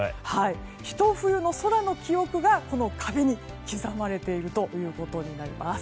ひと冬の空の記憶がこの壁に刻まれているということになります。